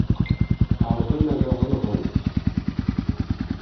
Ɛerḍent ad aɣ-nɣent.